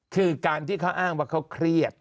คือการที่เขาอ้างว่าเขาเครียด